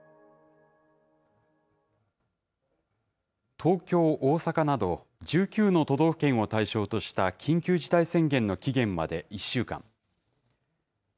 東京、大阪など１９の都道府県を対象とした緊急事態宣言の期限まで１週間。